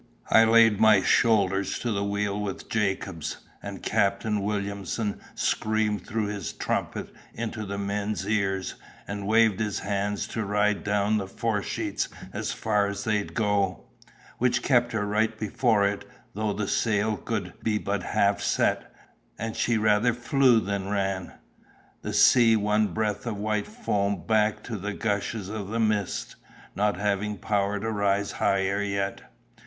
I laid my shoulder to the wheel with Jacobs, and Captain Williamson screamed through his trumpet into the men's ears, and waved his hands to ride down the foresheets as far as they'd go; which kept her right before it, though the sail could be but half set, and she rather flew than ran—the sea one breadth of white foam back to the gushes of mist, not having power to rise higher yet.